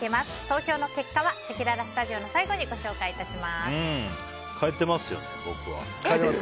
投票の結果はせきららスタジオの最後に変えてますよ、僕は。